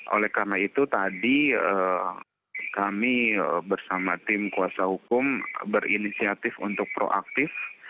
oleh karena itu tadi kami bersama tim kuasa hukum berinisiatif untuk proaktif